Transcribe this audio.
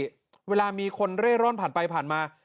เวลามีคนเร่ร่อนผ่านไปผ่านมา